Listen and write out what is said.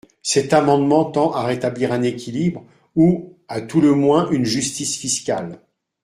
Cet amendement tend à rétablir un équilibre, ou à tout le moins une justice fiscale.